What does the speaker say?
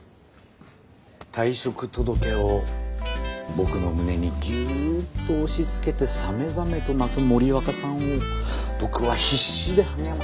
退職届を僕の胸にギュっと押しつけてさめざめと泣く森若さんを僕は必死で励ましましたよ。